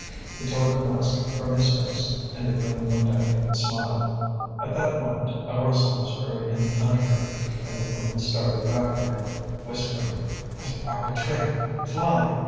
He tore the mask from his face, and the Queen looked at him and smiled. At that moment a rustle was heard in the undergrowth, and the Queen started back from him, whispering: "We are betrayed! Fly!"